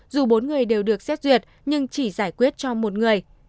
dù bốn người đều được xét duyệt nhưng chỉ giải quyết cho một người